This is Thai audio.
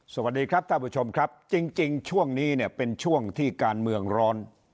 สวัสดีครับท่านผู้ชมครับจริงช่วงนี้เนี่ยเป็นช่วงที่การเมืองร้อน